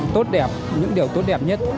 tốt đẹp những điều tốt đẹp nhất